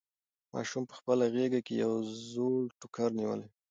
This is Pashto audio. ماشوم په خپله غېږ کې یو زوړ ټوکر نیولی و.